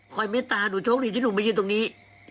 ข้อมีตาหนูโชคดีที่หนูไม่อยู่ตรงนี้